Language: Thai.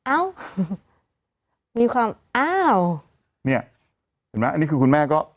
เอ้ามีความอ้าวเนี่ยเห็นไหมอันนี้คือคุณแม่ก็